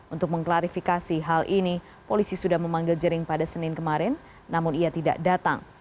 untuk mengklarifikasi hal ini polisi sudah memanggil jering pada senin kemarin namun ia tidak datang